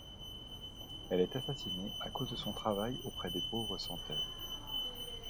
Elle est assassinée à cause de son travail auprès des pauvres sans terre.